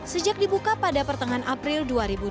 sejak dibuka pada pertengahan april dua ribu dua puluh